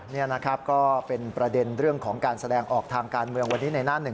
นี่นะครับก็เป็นประเด็นเรื่องของการแสดงออกทางการเมืองวันนี้ในหน้าหนึ่ง